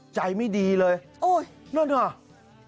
ใจไม่ดีเลยโอ้ยนั่นเหรอ